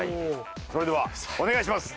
それではお願いします。